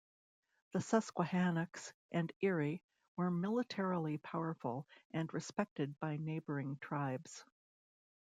The Susquehannocks and Erie were militarily powerful and respected by neighboring tribes.